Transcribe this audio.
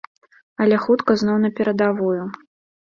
Але хутка зноў на перадавую.